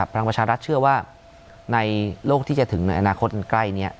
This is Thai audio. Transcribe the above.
พลังประชารัฐเชื่อว่าในโลกที่จะถึงในอนาคตใกล้นี้